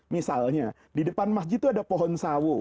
misalnya di depan masjid itu ada pohon sawo